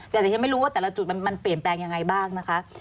แต่ฉันไม่รู้ว่าแต่ละจุดมันเปลี่ยนแปลงยังไงบ้างนะคะ